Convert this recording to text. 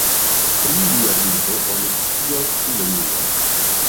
Pri lia vivo oni scias nenion.